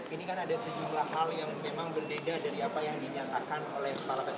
ini kan ada sejumlah hal yang memang berbeda dari apa yang dinyatakan oleh kepala bpn